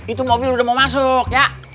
itu mobil udah mau masuk ya